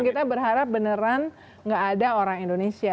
kita berharap beneran gak ada orang indonesia